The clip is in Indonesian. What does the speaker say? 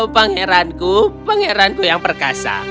pangeranku pangeranku yang perkasa